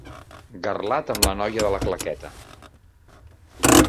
Garlat amb la noia de la claqueta.